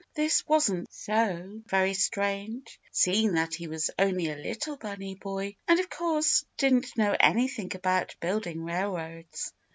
This wasn't so very strange, seeing that he was only a little bunny boy and, of course, didn't know anything about building railroads.